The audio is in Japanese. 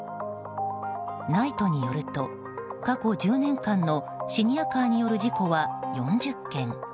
ＮＩＴＥによると過去１０年間のシニアカーによる事故は４０件。